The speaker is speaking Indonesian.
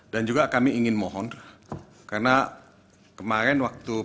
dan juga kami ingin mohon karena kemarin waktu